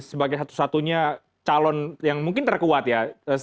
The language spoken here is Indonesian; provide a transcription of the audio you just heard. sebagai satu satunya calon yang mungkin terkuat ya